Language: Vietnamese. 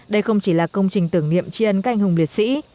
đây không chỉ là công trình tưởng niệm tri ân cành hùng liệt sĩ